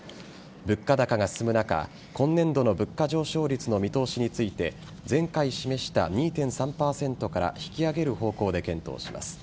物価高が進む中今年度の物価上昇率の見通しについて前回示した２．３％から引き上げる方向で検討します。